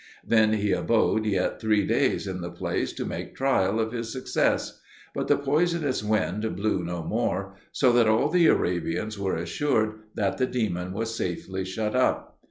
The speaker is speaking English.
Then he abode yet three days in the place to make trial of his success; but the poisonous wind blew no more, so that all the Arabians were assured that the demon was safely shut up.